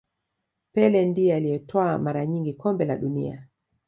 pele ndiye aliyetwaa mara nyingi kombe la dunia